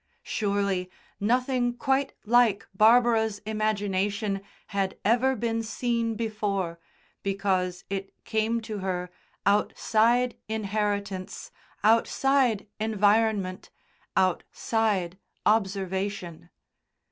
Surely nothing quite like Barbara's imagination had ever been seen before, because it came to her, outside inheritance, outside environment, outside observation.